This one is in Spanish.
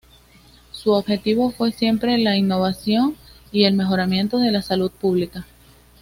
Su objetivo fue siempre la innovación y el mejoramiento de la Salud Pública.